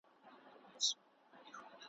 هر غښتلی چي کمزوری سي نو مړ سي ,